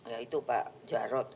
ya itu pak jarod